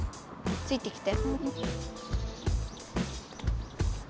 ついて来て。